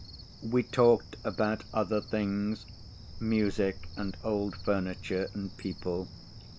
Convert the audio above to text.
We talked about other things, music and old furniture and people.